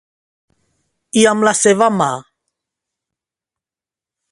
I amb la seva mà?